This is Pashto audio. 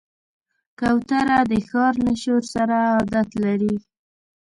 کوتره د ښار له شور سره عادت لري.